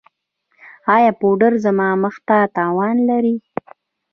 ایا پوډر زما مخ ته تاوان لري؟